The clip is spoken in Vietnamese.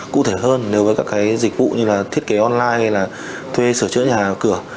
cụ thể hơn nếu với các cái dịch vụ như là thiết kế online hay là thuê sửa chữa nhà cửa